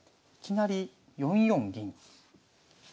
いきなり４四銀。